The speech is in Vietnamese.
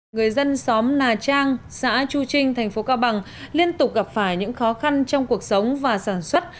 người dân xóm nà trang xã chu trinh thành phố cao bằng liên tục gặp phải những khó khăn trong cuộc sống và sản xuất